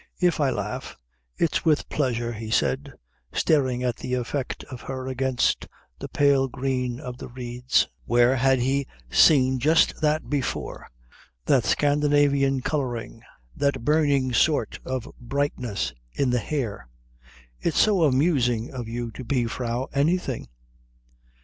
"If I laugh it's with pleasure," he said, staring at the effect of her against the pale green of the reeds where had he seen just that before, that Scandinavian colouring, that burning sort of brightness in the hair? "It's so amusing of you to be Frau anything."